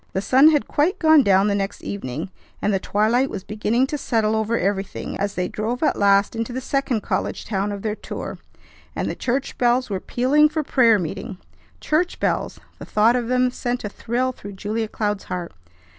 The sun had quite gone down the next evening, and the twilight was beginning to settle over everything as they drove at last into the second college town of their tour, and the church bells were pealing for prayer meeting. Church bells! The thought of them sent a thrill through Julia Cloud's heart.